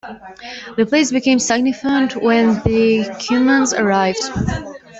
The place became significant when the Cumans arrived.